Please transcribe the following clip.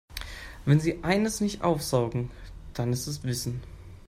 Wenn sie eines nicht aufsaugen, dann ist es Wissen.